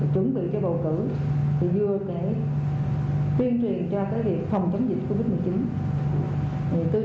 chuẩn bị cho bầu cử vừa để tuyên truyền cho cái việc phòng chống dịch covid một mươi chín